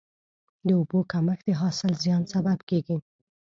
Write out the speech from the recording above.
د اوبو کمښت د حاصل زیان سبب کېږي.